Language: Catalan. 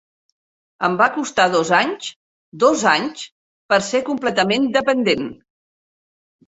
Em va costar dos anys; dos anys per ser completament dependent.